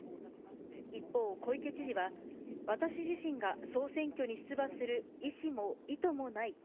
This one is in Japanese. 一方、小池知事は、私自身が総選挙に出馬する意思も意図もない。